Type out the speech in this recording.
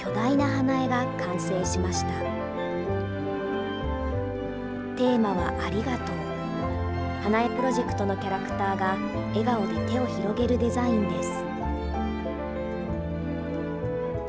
花絵プロジェクトのキャラクターが、笑顔で手を広げるデザインです。